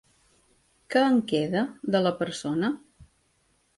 Què en queda, de la persona?